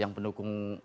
yang pendukung ganjar